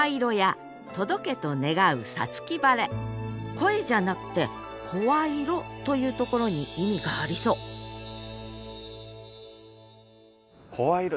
声じゃなくて「声色」というところに意味がありそう「声色」